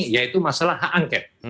yaitu masalah h angket